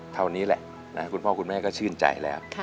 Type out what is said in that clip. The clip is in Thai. เท่านี้แหละคุณพ่อคุณแม่ก็ชื่นใจแล้ว